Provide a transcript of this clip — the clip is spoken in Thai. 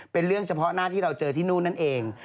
เป็นเรื่องเฉพาะหน้าที่เราเจอที่นู่นนั่นเอง